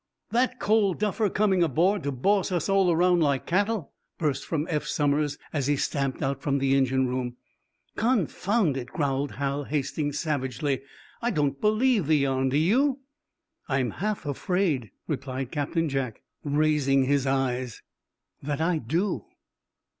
"That cold duffer coming aboard to boss us all around like cattle?" burst from Eph Somers, as he stamped out from the engine room. "Confound it!" growled Hal Hastings, savagely. "I don't believe the yarn. Do you?" "I'm half afraid," replied Captain Jack, raising his eyes, "that I do."